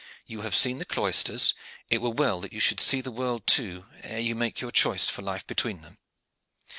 You have seen the cloisters; it were well that you should see the world too, ere you make choice for life between them."